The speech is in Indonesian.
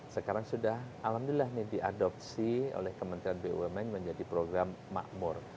sekarang sudah alhamdulillah nih diadopsi oleh kementerian bumn menjadi program makmur